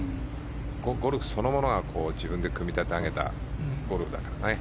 ゴルフそのものが自分で組み立て上げたゴルフだからね。